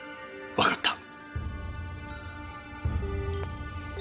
わかった。